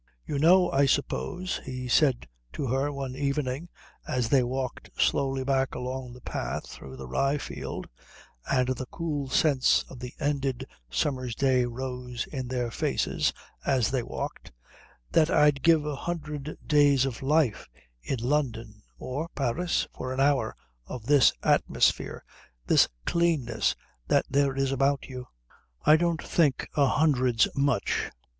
"You know, I suppose," he said to her one evening as they walked slowly back along the path through the rye field, and the cool scents of the ended summer's day rose in their faces as they walked, "that I'd give a hundred days of life in London or Paris for an hour of this atmosphere, this cleanness that there is about you." "I don't think a hundred's much.